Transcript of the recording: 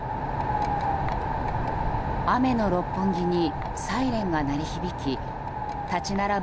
雨の六本木にサイレンが鳴り響き立ち並ぶ